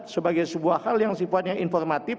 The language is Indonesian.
sebagai sebuah hal yang sifatnya informatif